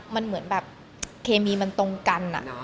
มันเหมือนแบบเคมีมันตรงกัน